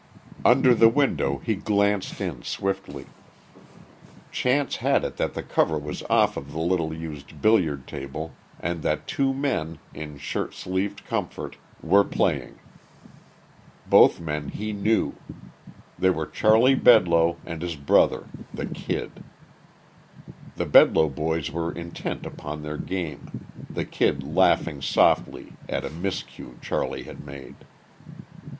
Under the window he glanced in swiftly. Chance had it that the cover was off of the little used billiard table and that two men, in shirt sleeved comfort, were playing. Both men he knew. They were Charley Bedloe and his brother, the Kid. The Bedloe boys were intent upon their game, the Kid laughing softly at a miscue Charley had made.